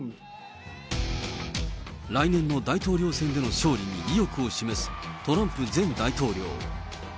来年の大統領選での勝利に意欲を示すトランプ前大統領。